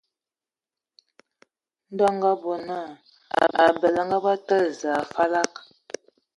Ndɔ a ngabɔ naa, abəl a ngabə tǝ̀lə Zəə a falag.